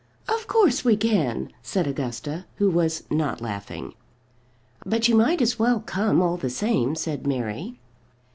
"Of course we can," said Augusta, who was not laughing. "But you might as well come all the same," said Mary.